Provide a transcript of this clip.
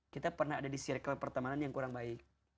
kita pernah ada di circle pertemanan yang kurang baik